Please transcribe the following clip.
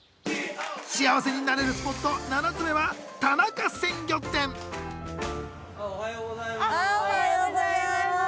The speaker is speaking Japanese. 幸せになれるスポット７つ目は田中鮮魚店おはようございます